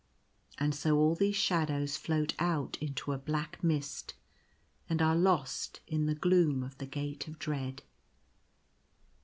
And so all these shadows float out into a black mist, and are lost in the gloom of the Gate of Dread.